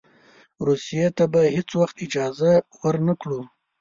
روسیې ته به هېڅ وخت اجازه ورنه کړو.